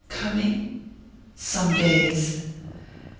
coming?" "Some days."